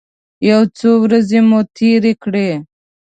یو څو ورځې مو تېرې کړې.